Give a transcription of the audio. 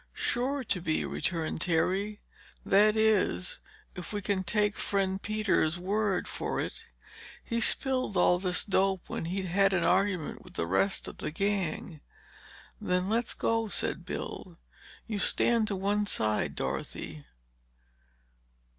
"Sure to be," returned Terry. "That is, if we can take friend Peters' word for it. He spilled all this dope when he'd had an argument with the rest of the gang." "Then let's go—" said Bill. "You stand to one side, Dorothy."